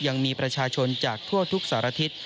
ยังมีประชาชนจากทั่วทุกสารทิศ